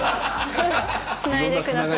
繋いでください。